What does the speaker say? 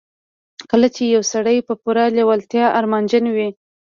کله چې يو سړی په پوره لېوالتیا ارمانجن وي.